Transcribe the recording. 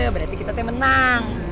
berarti kita tuh menang